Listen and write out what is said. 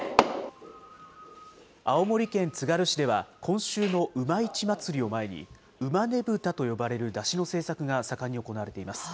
青森県つがる市では今週の馬市まつりを前に、馬ねぶたと呼ばれる山車の制作が盛んに行われています。